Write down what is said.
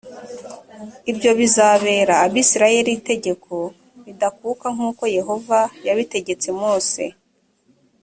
ibyo bizabere abisirayeli itegeko ridakuka nk uko yehova yabitegetse mose